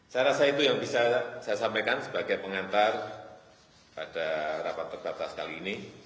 saya rasa itu yang bisa saya sampaikan sebagai pengantar pada rapat terbatas kali ini